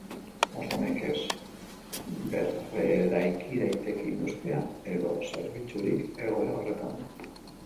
Oso nekez berreraiki daiteke industria edo zerbitzurik egoera horretan.